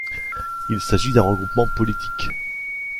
Il s'agit d'un regroupement politique.